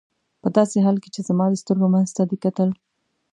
په داسې حال کې چې زما د سترګو منځ ته دې کتل.